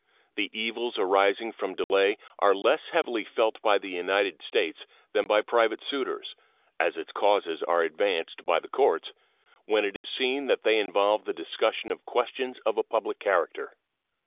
The evils arising from delay are less heavily felt by the United States than by private suitors, as its causes are advanced by the courts when it is seen that they involve the discussion of questions of a public character.